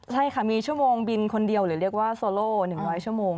ใช่ค่ะมีชั่วโมงบินคนเดียวหรือเรียกว่าโซโล๑๐๐ชั่วโมง